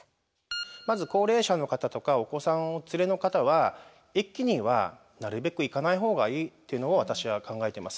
まず高齢者の方とかお子さんをお連れの方は駅にはなるべく行かない方がいいっていうのを私は考えてます。